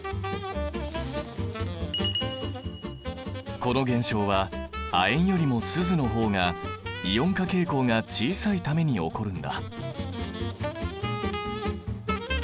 この現象は亜鉛よりもスズの方がイオン化傾向が小さいために起こるんだ。